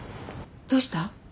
どうした？